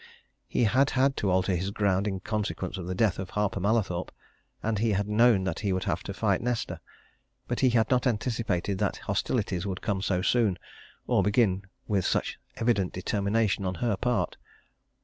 He had had to alter his ground in consequence of the death of Harper Mallathorpe, and he had known that he would have to fight Nesta. But he had not anticipated that hostilities would come so soon, or begin with such evident determination on her part.